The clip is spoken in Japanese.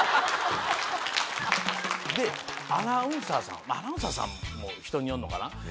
アナウンサーさんアナウンサーさんも人によるかな。